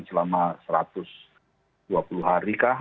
selama satu ratus dua puluh hari kah